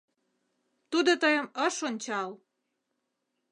Тудо тыйым ыш ончал!